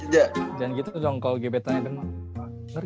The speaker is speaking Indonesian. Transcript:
jangan gitu dong kalo gb tanya denger